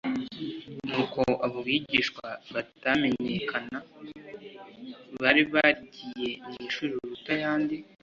Ni uko abo bigishwa batamenyekana bari barigiye mu ishuri riruta ayandi.